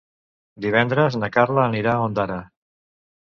Divendres na Carla anirà a Ondara.